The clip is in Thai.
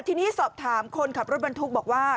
ทีนี้สอบถามคนขับรถบรรทุกบอกว่า